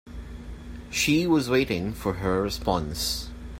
She was waiting for her response.